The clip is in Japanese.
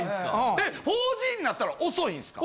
え４Ｇになったら遅いんすか？